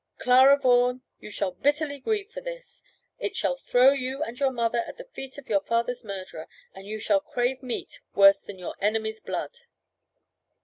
"Clara Vaughan, you shall bitterly grieve for this. It shall throw you and your mother at the feet of your father's murderer, and you shall crave meat worse than your enemy's blood."